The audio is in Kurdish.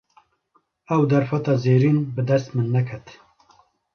Ew derfeta zêrîn, bi dest min neket